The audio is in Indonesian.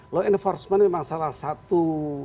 law enforcement memang salah satu